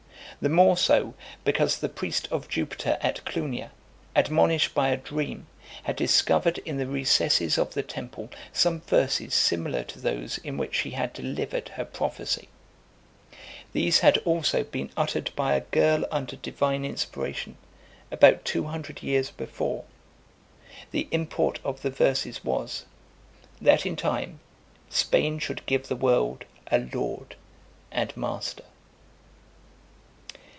The more so, because the priest of Jupiter at Clunia , admonished by a dream, had discovered in the recesses of the temple some verses similar to those in which she had delivered her prophecy. These had also been uttered by a girl under divine inspiration, about two hundred years before. The import of the verses was, "That in time, Spain should give the world a lord and master."